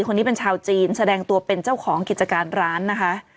คนนี้เป็นชาวจีนแสดงตัวเป็นเจ้าของกิจการร้านนะคะ